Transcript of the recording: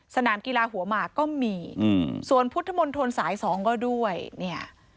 สนามกีฬาหัวหมากก็มีอืมส่วนพุทธมนตรสายสองก็ด้วยเนี่ย